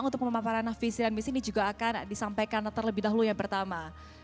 untuk pemaparan visi dan misi ini juga akan disampaikan terlebih dahulu yang pertama